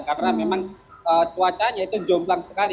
karena memang cuacanya itu jomblang sekali